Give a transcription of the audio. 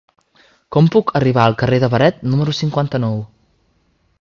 Com puc arribar al carrer de Beret número cinquanta-nou?